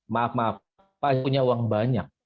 maaf maaf pak punya uang banyak